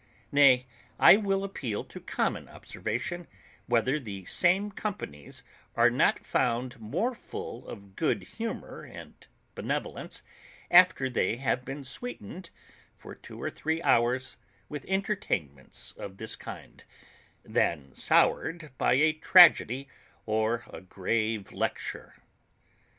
Nay, I will appeal to common observation, whether the same companies are not found more full of good humour and benevolence, after they have been sweetened for two or three hours with entertainments of this kind, than soured by a tragedy or a grave lecture.